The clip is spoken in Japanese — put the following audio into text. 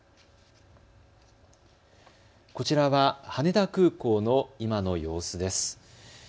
こちらは羽田空港の今の様子です。